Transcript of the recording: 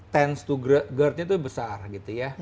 tence to gerdnya tuh besar gitu ya